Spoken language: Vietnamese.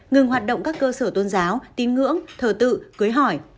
ngừng hoạt động các cơ sở tôn giáo tín ngưỡng thờ tự cưới hỏi